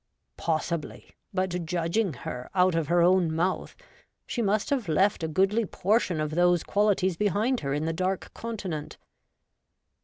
Possibly ; but judging her out of her own mouth, she must have left a goodly portion of those qualities behind her in the Dark Continent.